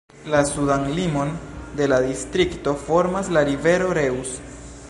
La sudan limon de la distrikto formas la rivero Reuss.